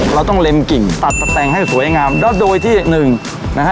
เราต้องเล็มกิ่งตัดสแต่งให้สวยงามแล้วโดยที่หนึ่งนะฮะ